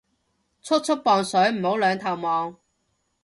速速磅水唔好兩頭望